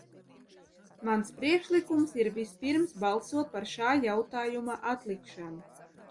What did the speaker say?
Mans priekšlikums ir vispirms balsot par šā jautājuma atlikšanu.